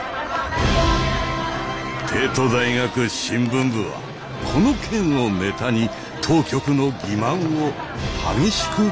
帝都大学新聞部はこの件をネタに当局の欺瞞を激しく糾弾した。